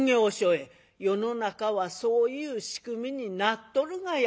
世の中はそういう仕組みになっとるがや。